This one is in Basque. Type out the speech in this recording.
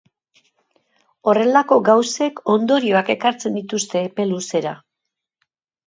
Horrelako gauzek ondorioak ekartzen dituzte epe luzera.